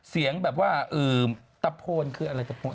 เสียงแบบว่าตะโพนคืออะไรตะโพน